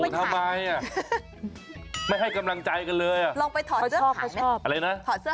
ทำไมลงไปถีดเสื้อขายไหม